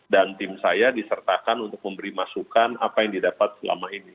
dan tim saya disertakan untuk memberi masukan apa yang didapat selama ini